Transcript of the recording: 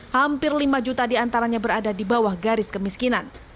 hampir lima juta diantaranya berada di bawah garis kemiskinan